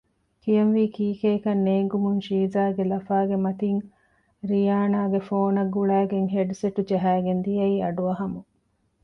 ކިޔަންވީ ކީކޭ ކަން ނޭނގުމުން ޝީޒާގެ ލަފާގެ މަތިން ރިޔާނާގެ ފޯނަށް ގުޅައިގެން ހެޑްސެޓް ޖަހައިގެން ދިޔައީ އަޑުއަހަމުން